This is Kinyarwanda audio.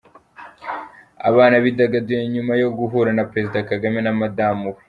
Abana bidagaduye nyuma yo guhura na Perezida Kagame na Madamu we.